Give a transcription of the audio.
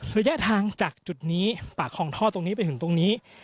ระยะทางจากจุดนี้ปากคลองท่อตรงนี้ไปถึงตรงนี้